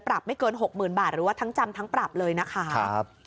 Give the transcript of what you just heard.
ปรับไม่เกินหกหมื่นบาทหรือว่าทั้งจำทั้งปรับเลยนะคะ